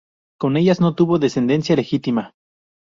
Con ellas no tuvo descendencia legítima.